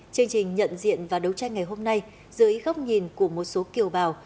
chương trình nhận diện và đấu tranh ngày hôm nay dưới góc nhìn của một số kiều bào